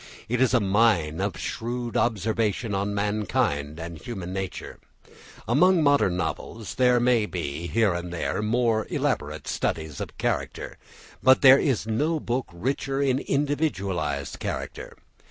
It is a mine of shrewd observation on mankind and human nature. Among modern novels there may be, here and there, more elaborate studies of character, but there is no book richer in individualised character.